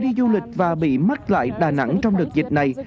đi du lịch và bị mắc lại đà nẵng trong đợt dịch này